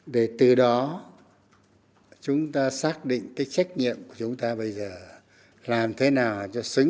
để từ đó thấy rõ được trách nhiệm của tp hcm đối với cả nước